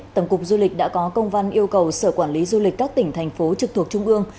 tổng cục du lịch đã có công văn yêu cầu sở quản lý du lịch các tỉnh thành phố trực thuộc trung ương